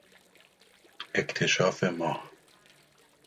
اکتشاف ماه